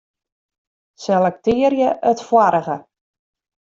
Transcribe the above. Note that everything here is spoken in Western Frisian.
Selektearje it foarige.